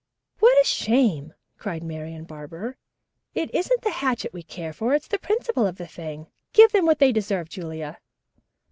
"What a shame!" cried Marian Barber. "It isn't the hatchet we care for, it's the principle of the thing. Give them what they deserve, Julia."